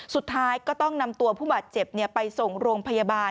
สุดท้ายก็ต้องนำตัวผู้บาดเจ็บไปส่งโรงพยาบาล